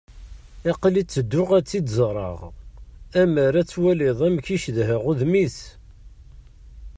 Aql-i tedduɣ ad tt-id-ẓreɣ. Ammer ad twaliḍ amek i cedhaɣ udem-is.